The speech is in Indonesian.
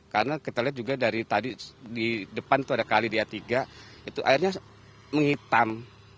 karena kita lihat juga dari tadi di depan itu ada kali di a tiga itu airnya menghitam